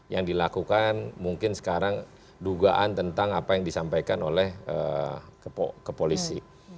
yang dilakukan mungkin sekarang dugaan tentang apa yang disampaikan oleh ke polisi